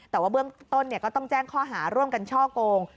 แต่ว่าเบื้องต้นก็ต้องแจ้งข้อหาร่วมกันช่อโกง